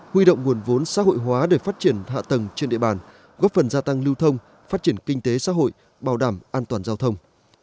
huy động nguồn vốn xã hội hóa để phát triển hạ tầng trên địa bàn góp phần gia tăng lưu thông phát triển kinh tế xã hội bảo đảm an toàn giao thông